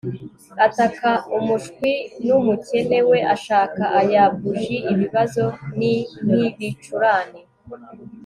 ataka umushwi n'umukene we ashaka aya buji ibibazo nink'ibicurane